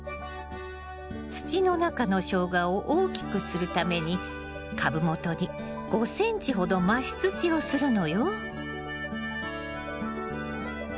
土の中のショウガを大きくするために株元に５ｃｍほど増し土をするのよ。